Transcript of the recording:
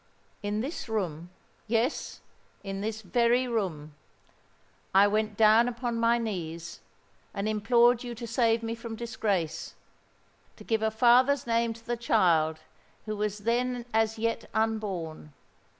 "In this room—yes, in this very room—I went down upon my knees, and implored you to save me from disgrace—to give a father's name to the child who was then as yet unborn.